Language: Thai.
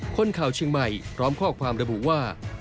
คนข่าวเชียงใหม่พร้อมข้อความระบุว่า